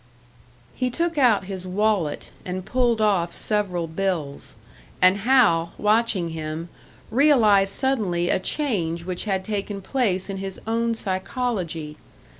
He took out his wallet, and pulled off several bills; and Hal, watching him, realised suddenly a change which had taken place in his own psychology.